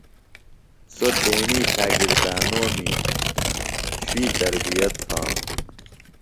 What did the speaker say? سوۡ تیݨی شاگردانومی شوئی تربیت تھانوۡ۔